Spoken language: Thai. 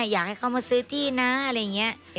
อยากให้เขามาซื้อที่นะอะไรอย่างนี้